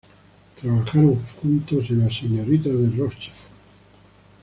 Trabajaron juntas en "Las señoritas de Rochefort".